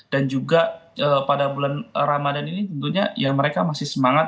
dan juga pada bulan ramadhan ini tentunya mereka masih semangat